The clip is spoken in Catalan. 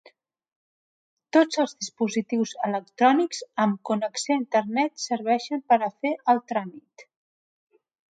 Tots els dispositius electrònics amb connexió a internet serveixen per a fer el tràmit.